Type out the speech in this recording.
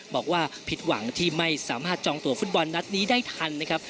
บอกว่าผิดหวังที่ไม่สามารถจองตัวฟุตบอลนัดนี้ได้ทันนะครับ